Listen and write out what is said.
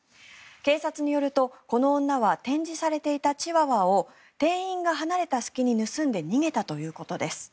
警察によるとこの女は展示されていたチワワと店員が離れた隙に盗んで逃げたということです。